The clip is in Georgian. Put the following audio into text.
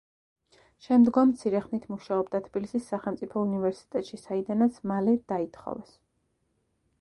შემდგომ მცირე ხნით მუშაობდა თბილისის სახელმწიფო უნივერსიტეტში, საიდანაც მალე დაითხოვეს.